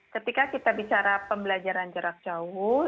ketika kita bicara pembelajaran jarak jauh